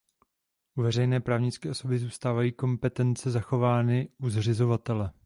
U veřejné právnické osoby zůstávají kompetence zachovány u zřizovatele.